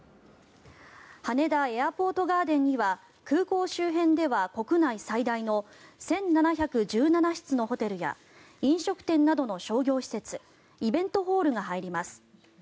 羽田エアポートガーデンには空港周辺では国内最大の１７１７室のホテルや飲食店などの商業施設イベントホールが入ります。